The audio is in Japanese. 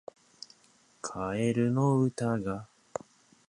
カエルの歌が